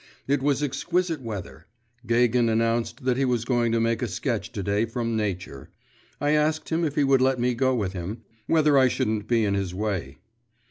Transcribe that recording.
It was exquisite weather. Gagin announced that he was going to make a sketch to day from nature; I asked him if he would let me go with him, whether I shouldn't be in his way.